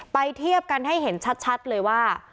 เทียบกันให้เห็นชัดเลยว่า